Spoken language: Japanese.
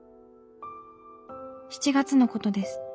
７月のことです。